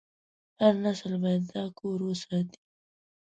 هر نسل باید دا کور وساتي.